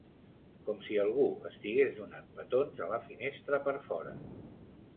Com si algú estigués donant petons a la finestra per fora.